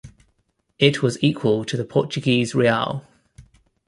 It was equal to the Portuguese real.